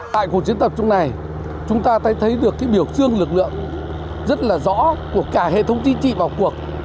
tại cuộc chiến tập trung này chúng ta thấy được cái biểu dương lực lượng rất là rõ của cả hệ thống chính trị vào cuộc